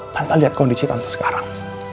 tante lihat kondisi tante sekarang